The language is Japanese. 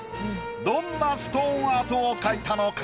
どんなストーンアートを描いたのか？